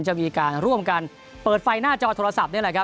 จะมีการร่วมกันเปิดไฟหน้าจอโทรศัพท์